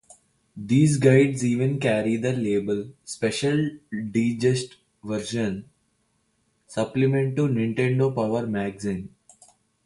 These guides even carry the label "Special Digest Version: Supplement to Nintendo Power Magazine".